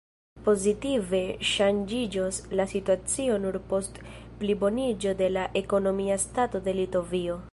Pozitive ŝanĝiĝos la situacio nur post pliboniĝo de la ekonomia stato de Litovio.